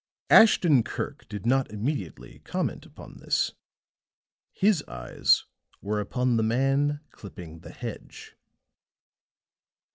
Ashton Kirk did not immediately comment upon this; his eyes were upon the man clipping the hedge.